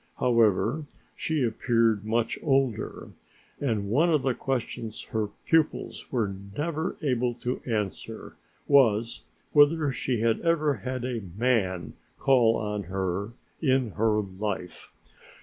However, she appeared much older, and one of the questions her pupils were never able to answer was whether she had ever had a man call on her in her life.